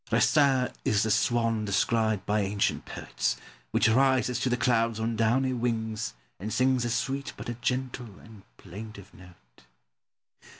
Racine is the swan described by ancient poets, which rises to the clouds on downy wings and sings a sweet but a gentle and plaintive note.